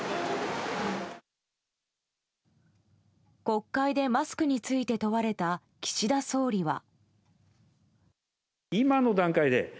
国会でマスクについて問われた岸田総理は。